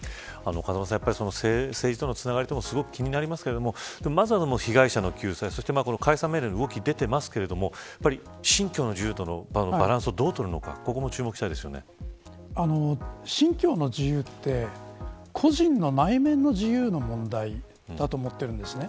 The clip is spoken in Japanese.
風間さん、政治とのつながりというのがすごく気になりますがまずは被害者の救済そして解散命令の動きが出ていますが信教の自由とのバランスをどう取るのか信教の自由って個人の内面の自由の問題だと思ってるんですね。